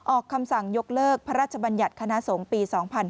ออกคำสั่งยกเลิกพระราชบัญญัติคณะสงฆ์ปี๒๕๕๙